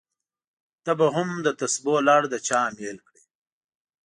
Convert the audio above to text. ته به هم دتسبو لړ د چا امېل کړې!